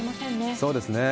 そうですね。